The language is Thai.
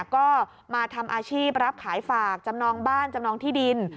ก็มาทำอาชีพรับขายฝากจำนองบ้านจำนองที่ดิน